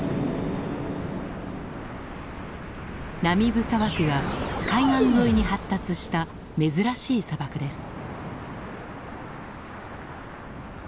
ナミブ砂漠は海岸沿いに発達した珍しい砂漠です。